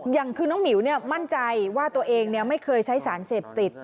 อย่างคือน้องหมิวมั่นใจว่าตัวเองไม่เคยใช้สารเสพติด